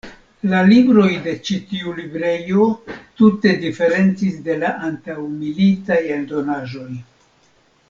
La libroj de ĉi tiu librejo tute diferencis de la antaŭmilitaj eldonaĵoj.